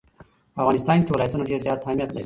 په افغانستان کې ولایتونه ډېر زیات اهمیت لري.